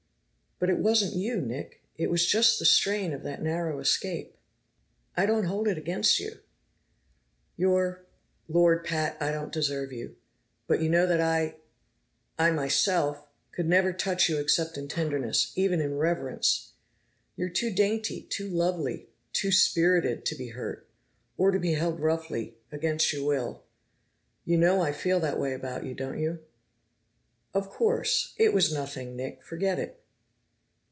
"But it wasn't you, Nick. It was just the strain of that narrow escape. I don't hold it against you." "You're Lord, Pat, I don't deserve you. But you know that I I myself could never touch you except in tenderness, even in reverence. You're too dainty, too lovely, too spirited, to be hurt, or to be held roughly, against your will. You know I feel that way about you, don't you?" "Of course. It was nothing, Nick. Forget it."